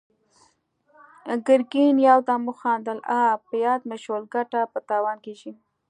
ګرګين يودم وخندل: اه! په ياد مې شول، ګټه په تاوان کېږي!